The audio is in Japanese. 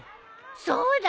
そうだ！